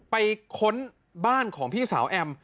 ค้นบ้านของพี่สาวแอม